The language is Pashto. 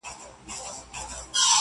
ښه خلک د مینې وړ وي.